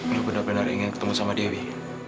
untuk benar benar ingin ketemu sama dewi